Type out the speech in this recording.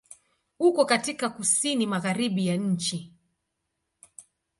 Uko katika Kusini Magharibi ya nchi.